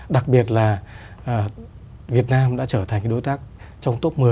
đặc biệt là việt nam đã trở thành cái đối tác trong top một mươi